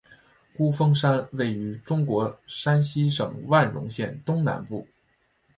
孤峰山位于中国山西省万荣县东南部。